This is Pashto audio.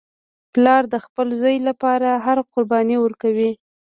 پلار د خپل زوی لپاره هره قرباني ورکوي